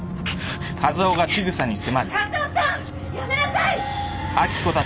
・和夫さんやめなさい！